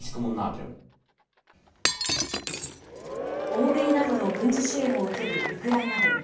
欧米などの軍事支援を受けるウクライナ軍。